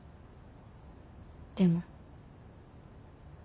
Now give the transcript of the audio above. でも。